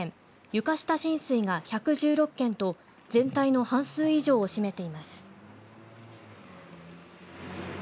床下浸水が１１６件と全体の半数以上を占めています。